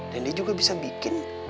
dan dia juga bisa bikin